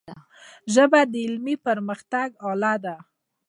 ژبه د علمي پرمختګ آله ده.